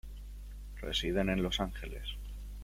Residen en Los Ángeles.